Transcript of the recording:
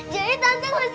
jadi tante ngusir aku